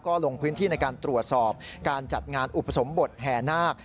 ก็ลงพื้นที่ในการตรวจสอบการจัดงานอุปสมบทแห่นาค